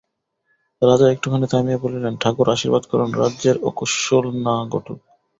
রাজা একটুখানি থামিয়া বলিলেন, ঠাকুর, আশীর্বাদ করুন, রাজ্যের অকুশল না ঘটুক।